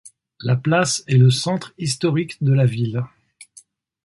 La place est le centre historique de la ville.